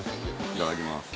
いただきます。